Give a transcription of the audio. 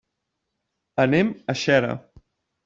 Anem a Xera.